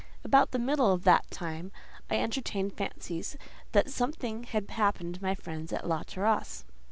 About the middle of that time I entertained fancies that something had happened to my friends at La Terrasse.